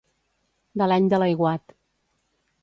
De l'any de l'aiguat.